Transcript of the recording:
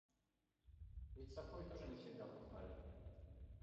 Ведь сохой тоже не всегда пахали.